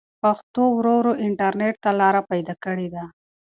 پښتو ورو ورو انټرنټ ته لاره پيدا کړې ده.